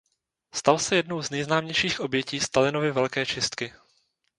Stal se jednou z nejznámějších obětí Stalinovy Velké čistky.